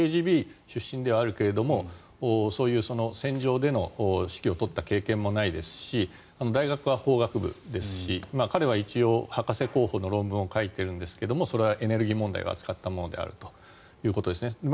ＫＧＢ出身ではあるけれども戦場での指揮を執った経験もないですし大学は法学部ですし彼は一応、博士候補の論文を書いているんですがそれはエネルギー問題を扱ったものであるということですね。